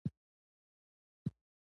خپلې وړتیاوې په کار واچوئ.